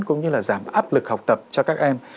cũng như là giảm áp lực học tập cho các em